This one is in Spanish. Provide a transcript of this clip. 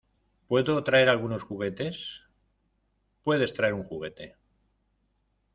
¿ Puedo traer algunos juguetes? Puedes traer un juguete.